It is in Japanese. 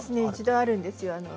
一度あるんですよ。